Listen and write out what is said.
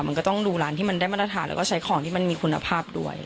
มันก็ต้องดูร้านที่มันได้มาตรฐานแล้วก็ใช้ของที่มันมีคุณภาพด้วย